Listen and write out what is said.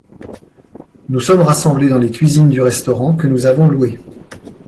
Nous sommes rassemblés dans les cuisines du restaurant que nous avons loué.